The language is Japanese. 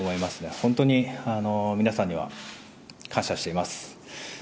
本当に皆さんには感謝しています。